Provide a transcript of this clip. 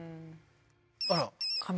あら。